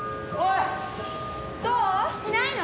いないの？